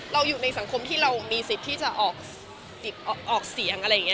เราอยู่ในสังคมที่เรามีสิทธิ์ที่จะออกเสียง